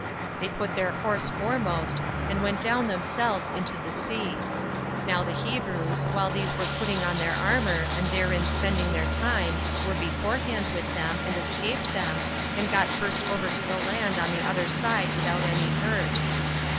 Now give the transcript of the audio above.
They put their horse foremost, and went down themselves into the sea. Now the Hebrews, while these were putting on their armor, and therein spending their time, were beforehand with them, and escaped them, and got first over to the land on the other side without any hurt.